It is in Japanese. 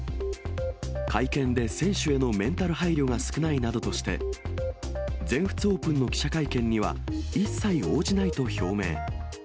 会見で選手へのメンタル配慮が少ないなどとして、全仏オープンの記者会見には、一切応じないと表明。